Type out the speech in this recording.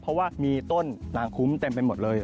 เพราะว่ามีต้นนางคุ้มเต็มไปหมดเลย